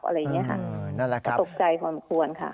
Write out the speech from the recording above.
อะไรอย่างนี้ค่ะตกใจควรควรค่ะ